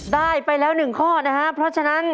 ได้ไปแล้ว๑ข้อนะครับเพราะฉะนั้น